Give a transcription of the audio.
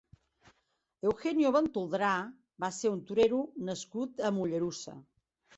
Eugenio Ventoldrá va ser un torero nascut a Mollerussa.